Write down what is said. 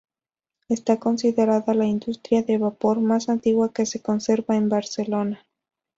Está considerada la industria de vapor más antigua que se conserva en Barcelona.